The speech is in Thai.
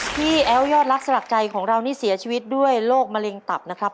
แอ้วยอดรักสลักใจของเรานี่เสียชีวิตด้วยโรคมะเร็งตับนะครับ